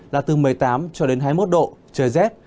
là từ một mươi tám cho đến hai mươi một độ trời rét